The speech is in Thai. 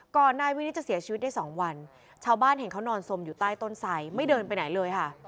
นายวินิตจะเสียชีวิตได้สองวันชาวบ้านเห็นเขานอนสมอยู่ใต้ต้นไสไม่เดินไปไหนเลยค่ะ